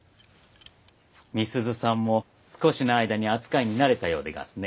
美鈴さんも少しの間に扱いに慣れたようでがすね。